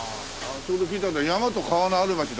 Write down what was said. ちょうど聞いたんだ